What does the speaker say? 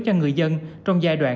cho người dân trong giai đoạn